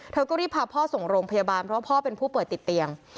เธอก็รีบพาพ่อส่งโรงพยาบาลเพราะว่าพ่อเป็นผู้ป่วยติดเตียง